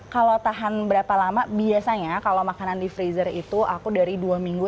kalau tahan berapa lama biasanya kalau makanan di freezer itu aku dari dua minggu